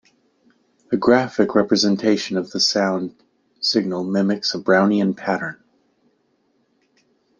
The graphic representation of the sound signal mimics a Brownian pattern.